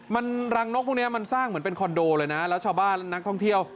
มันรังนกพวกนี้มันสร้างเหมือนเป็นคอนโดเลยนะแล้วชาวบ้านและนักท่องเที่ยว